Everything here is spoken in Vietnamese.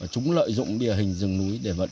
chúng lợi dụng địa hình rừng núi để vận